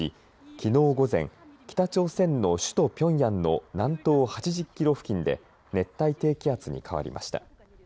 きのう午前、北朝鮮の首都ピョンヤンの南東８０キロ付近で熱帯低気圧に変わりました。